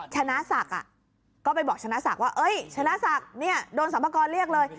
ชนะศักดิ์ก็ไปบอกชนะศักดิ์ว่าชนะศักดิ์เนี่ยโดนสรรพากรเรียกเลย